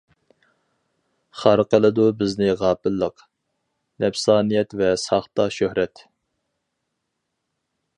خار قىلىدۇ بىزنى غاپىللىق، نەپسانىيەت ۋە ساختا شۆھرەت.